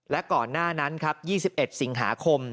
และก่อนหน้านั้นครับ๒๑สิงหาคม